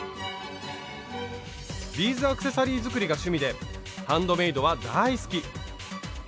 ビーズアクセサリー作りが趣味でハンドメイドは大好き！